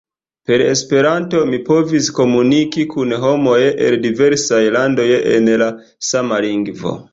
Per Esperanto mi povis komuniki kun homoj el diversaj landoj en la sama lingvo.